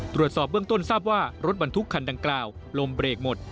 ตรวจสอบเบื้องต้นทราบว่ารถบรรทุกคันดังกล่าวลมเบรกหมด